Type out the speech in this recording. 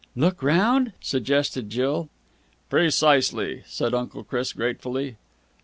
"Look round?" suggested Jill. "Precisely," said Uncle Chris gratefully.